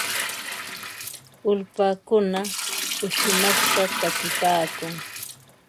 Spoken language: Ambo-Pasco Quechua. Ulpaykuna shumaqta takipaakun.